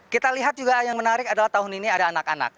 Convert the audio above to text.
kita lihat juga yang menarik adalah tahun ini ada anak anak